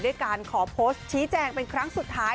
ด้วยการขอโพสต์ชี้แจงเป็นครั้งสุดท้าย